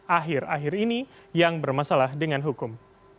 akhir akhir ini yang bermasalah dengan hukum